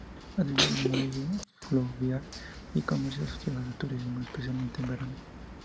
Además de un muelle fluvial y comercio asociado al turismo, especialmente en verano.